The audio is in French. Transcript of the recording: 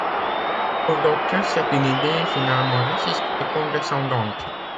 Pour d'autres, c'est une idée finalement raciste et condescendante.